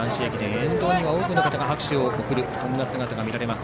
沿道には多くの方が拍手を送るそんな姿が見られます。